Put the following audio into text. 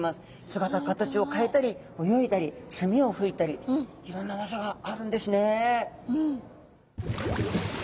姿形を変えたり泳いだり墨を吹いたりいろんな技があるんですね。